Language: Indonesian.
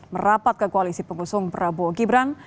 merapat ke koalisi pengusung prabowo gibran